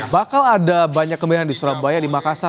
bakal ada banyak kemeriahan di surabaya di makassar